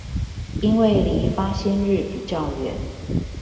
因為離發薪日比較遠